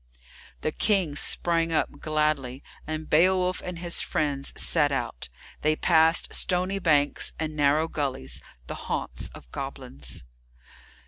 The King sprang up gladly, and Beowulf and his friends set out. They passed stony banks and narrow gullies, the haunts of goblins.